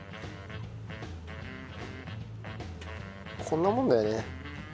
こんなもんだよね。